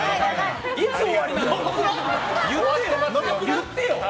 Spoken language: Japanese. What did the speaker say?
言ってよ！